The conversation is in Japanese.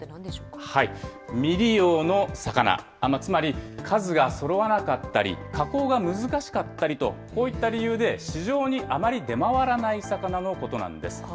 未利用の魚、つまり数がそろわなかったり、加工が難しかったりと、こういった理由で市場にあまり出回らない魚のことなんです。